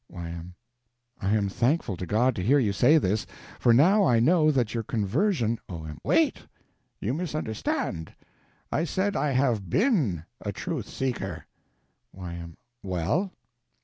Y.M. I am thankful to God to hear you say this, for now I know that your conversion— O.M. Wait. You misunderstand. I said I have _been _a Truth Seeker. Y.M. Well?